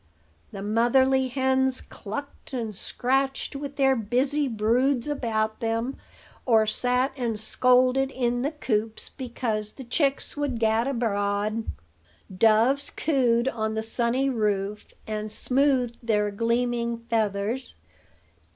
The motherly hens clucked and scratched with their busy broods about them, or sat and scolded in the coops because the chicks would gad abroad. Doves cooed on the sunny roof, and smoothed their gleaming feathers.